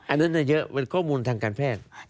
อันนั้นเยอะเป็นข้อมูลทางการแพทย์